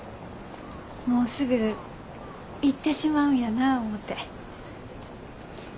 もうすぐ行ってしまうんやなあ思て。